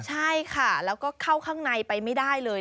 ใช่ค่ะแล้วก็เข้าข้างในไปไม่ได้เลย